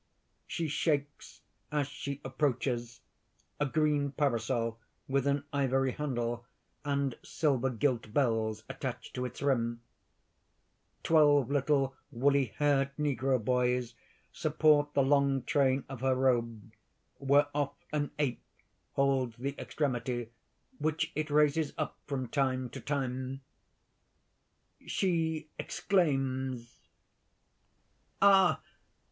_ _She shakes, as she approaches, a green parasol with an ivory handle, and silver gilt bells attached to its rim; twelve little woolly haired negro boys support the long train of her robe, whereof an ape holds the extremity, which it raises up from time to time. She exclaims_: "Ah!